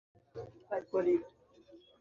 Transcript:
এটা ছোট্ট থান্ডারের পায়ের ছাপ।